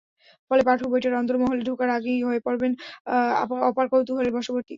ফলে পাঠক বইটার অন্দরমহলে ঢোকার আগেই হয়ে পড়বেন অপার কৌতূহলের বশবর্তী।